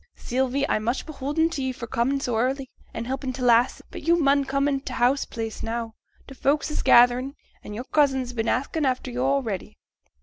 Sylvie, I'm much beholden t' ye for comin' so early, and helpin' t' lasses, but yo' mun come in t' house place now, t' folks is gatherin', an' yo'r cousin's been asking after yo' a'ready.'